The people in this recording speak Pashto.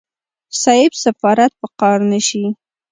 صيب سفارت په قار نشي.